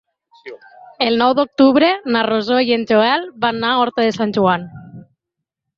El nou d'octubre na Rosó i en Joel van a Horta de Sant Joan.